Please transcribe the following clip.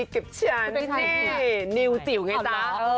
กับฉันนี่นิวจิ๋วไงจ๊ะ